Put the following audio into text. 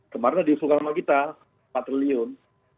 kemarin diusulkan sama kita empat triliun